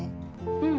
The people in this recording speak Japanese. うん。